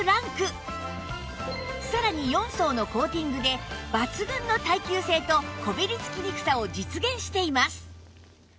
さらに４層のコーティングで抜群の耐久性とこびりつきにくさを実現しています